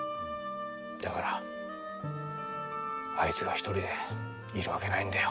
だからあいつが１人でいるわけないんだよ。